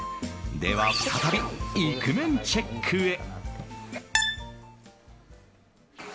では、再びイクメンチェックへ。